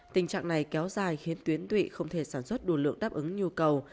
tình trạng này kéo dài khiến tuyến tụy không thể sản xuất đủ lượng đáp ứng nhu cầu